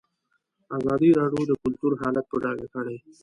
ازادي راډیو د کلتور حالت په ډاګه کړی.